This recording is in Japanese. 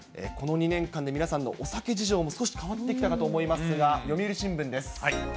この２年間で、皆さんのお酒事情も少し変わってきたかと思いますが、読売新聞です。